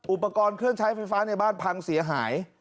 อุปกรณ์เครื่องใช้ไฟฟ้าในบ้านพังเสียหาย